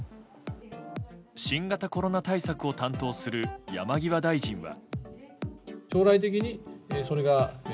新型コロナ対策を担当する山際大臣は。